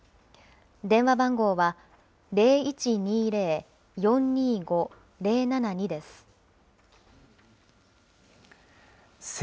電話番号は、０１２０ー４２５ー０７２です。